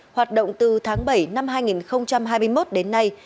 hoạt động từ tháng bảy năm hai nghìn hai mươi một đến nay